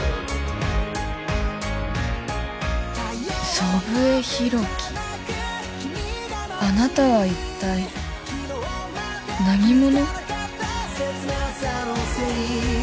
祖父江広樹あなたは一体何者？